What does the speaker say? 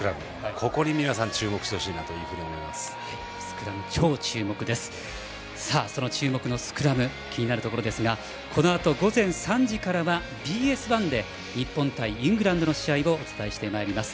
ここに皆さんその注目のスクラム気になるところですがこのあと午前３時からはＢＳ１で日本対イングランドの試合をお伝えしてまいります。